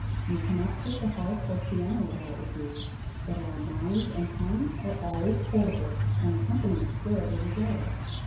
You cannot take a harp or piano about with you, but our minds and tongues are always portable, and accompany us wherever we go.